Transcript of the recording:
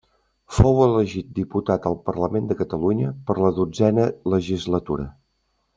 Fou elegit diputat al Parlament de Catalunya per la dotzena legislatura.